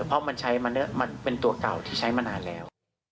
เพราะมันใช้มันเป็นตัวเก่าที่ใช้มานานแล้ว